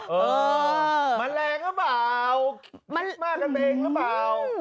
เออแมลงหรือเปล่ามากันเองหรือเปล่า